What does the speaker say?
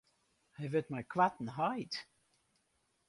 Hy wurdt mei koarten heit.